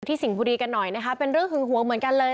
สิ่งบุรีกันหน่อยนะคะเป็นเรื่องหึงหวงเหมือนกันเลย